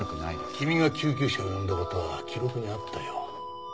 君が救急車を呼んだ事は記録にあったよ。